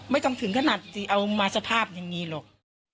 ไม่ต้องถึงขนาดที่เอามาสภาพอย่างนี้หรอก